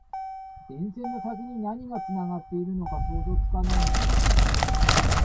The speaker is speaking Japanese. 電線の先に何がつながっているのか想像つかないんだよ